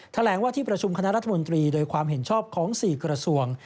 แถลงว่าที่ประชุมคณะรัฐมนตรีโดยความเห็นชอบของ๔กระทรวง